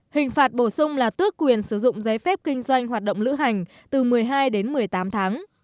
hình phạt bổ sung là tước quyền sử dụng giấy phép kinh doanh hoạt động lữ hành